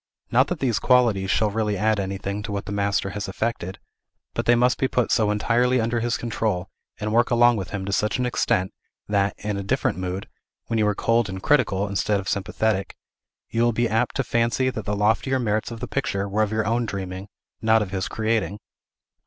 Not that these qualities shall really add anything to what the master has effected; but they must be put so entirely under his control, and work along with him to such an extent, that, in a different mood, when you are cold and critical, instead of sympathetic, you will be apt to fancy that the loftier merits of the picture were of your own dreaming, not of his creating.